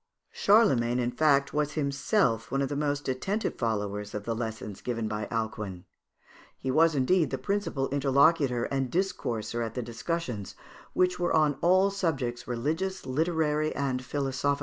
Charlemagne, in fact, was himself one of the most attentive followers of the lessons given by Alcuin. He was indeed the principal interlocutor and discourser at the discussions, which were on all subjects, religions, literary, and philosophical.